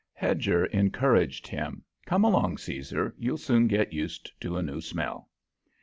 Hedger encouraged him. "Come along, Caesar. You'll soon get used to a new smell."